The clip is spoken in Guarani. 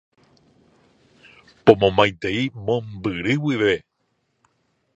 Pomomaitei mombyry guive.